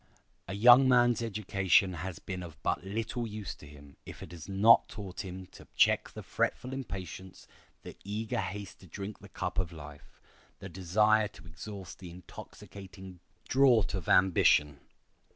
A young man's education has been of but little use to him if it has not taught him to check the fretful impatience, the eager haste to drink the cup of life, the desire to exhaust the intoxicating draught of ambition.